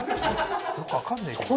よく分かんないけど。